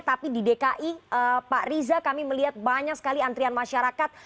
tapi di dki pak riza kami melihat banyak sekali antrian masyarakat